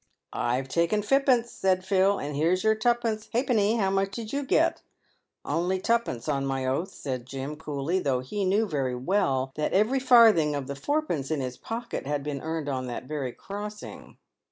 "I've taken fippunce," said Phil; "and here's your tuppunce ha'penny. How much did you get ?"" Only tuppunce, on my oath," said Jim, coolly, though he knew very well that every farthing of the fourpence in his pocket had been earned on that very crossing.